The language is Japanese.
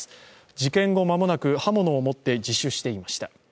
事件後、間もなく刃物を持って樹種していました。